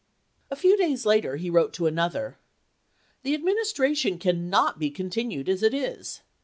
" A few days later he wrote to another: "The Administration cannot be continued as it is.